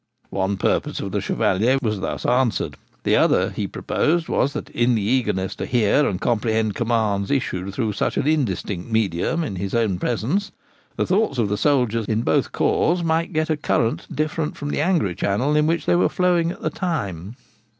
One purpose of the Chevalier was thus answered. The other he proposed was, that in the eagerness to hear and comprehend commands issued through such an indistinct medium in his own presence, the thoughts of the soldiers in both corps might get a current different from the angry channel in which they were flowing at the time.